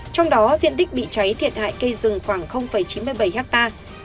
trong đó diện tích bị cháy thiệt hại cây rừng khoảng chín mươi bảy hectare